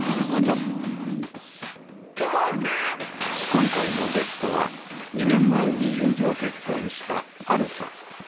今回のゲストは２年前に友情結婚したハルさん。